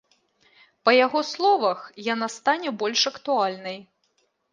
Па яго словах, яна стане больш актуальнай.